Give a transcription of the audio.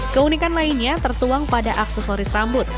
keunikan lainnya tertuang pada aksesoris rambut